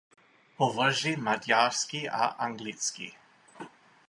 Hovoří maďarsky a anglicky.